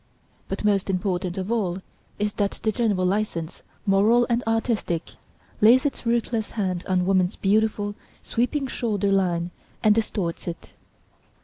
But most important of all is that the general license, moral and artistic, lays its ruthless hand on woman's beautiful, sweeping shoulder line and distorts it.